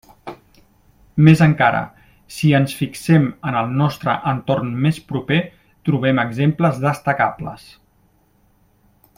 Més encara, si ens fixem en el nostre entorn més proper, trobem exemples destacables.